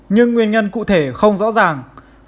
nhưng nguyên nhân cụ thể không rõ ràng